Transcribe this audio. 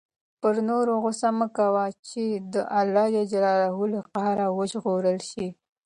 پر نورو غصه مه کوه چې د الله له قهر وژغورل شې.